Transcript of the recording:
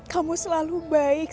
kamu selalu baik